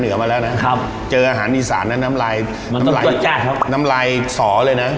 เหนือมาแล้วนะครับเจออาหารอีสานนะน้ำลายน้ำลายน้ำลายสอเลยนะ